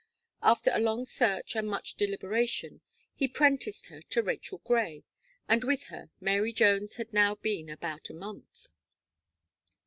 After a long search and much deliberation, he prenticed her to Rachel Gray, and with her Mary Jones had now been about a month.